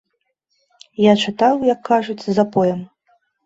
Я чытаў, як кажуць, запоем.